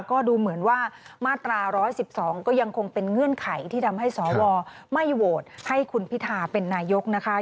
ก็ดูเหมือนว่ามาตรา๑๑๒ก็ยังคงเป็นเงื่อนไขที่ทำให้สวไม่โหวตให้คุณพิธาเป็นนายกนะคะ